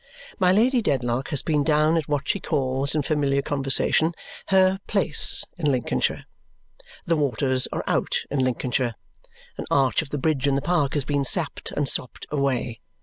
My Lady Dedlock has been down at what she calls, in familiar conversation, her "place" in Lincolnshire. The waters are out in Lincolnshire. An arch of the bridge in the park has been sapped and sopped away.